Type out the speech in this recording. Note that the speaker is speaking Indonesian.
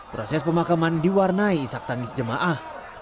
proses pemakaman diwarnai isak tangis jemaah